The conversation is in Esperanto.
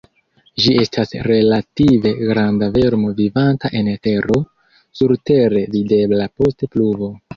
Ĝi estas relative granda vermo vivanta en tero, surtere videbla post pluvo.